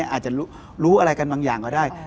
อาจจะรู้อะไรกันบางอย่างก็ได้